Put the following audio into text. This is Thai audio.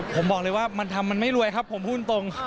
ผมบอกเลยว่ามันทำมันไม่รวยครับผมพูดตรง